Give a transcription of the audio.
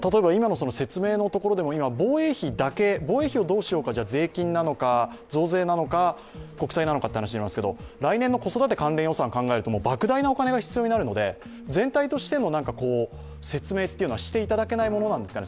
今、防衛費をどうしようか税金なのか増税なのか、国債なのかという話なんですけれども、来年の子育て関連予算を考えるとばく大な予算が必要になるので全体としての説明っていうのはしていただけないものなんでしょうか。